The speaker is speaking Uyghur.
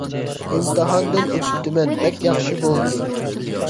ئىمتىھاندىن ئۆتۈپتىمەن، بەك ياخشى بولدى!